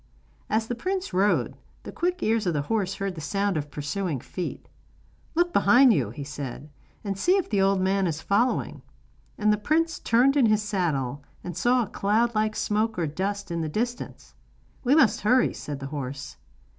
As the prince rode, the quick ears of his horse heard the sound of pursuing feet. 'Look behind you,' he said, 'and see if the old man is following.' And the prince turned in his saddle and saw a cloud like smoke or dust in the distance. 'We must hurry,' said the horse.